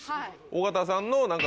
尾形さんの。